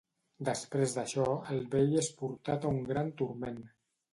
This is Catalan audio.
Després d'això, el vell és portat a un gran turment.